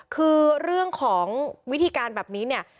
คือเรื่องของวิธีการแบบนี้เนี่ย